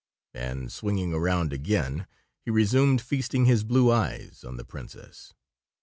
And, swinging around again, he resumed feasting his blue eyes on the princess.